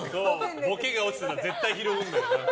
ボケが落ちてたら絶対拾うんだよな。